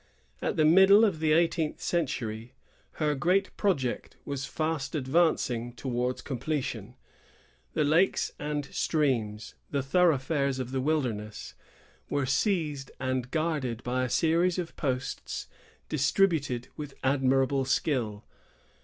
At the middle of the eighteenth century, her great project was fast advancing towards completion. The lakes and streams, the thoroughfares of the wilderness, were seized and guarded by a series of posts distributed with admirable skill.